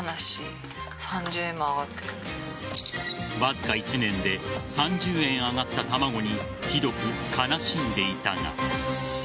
わずか１年で３０円上がった卵にひどく悲しんでいたが。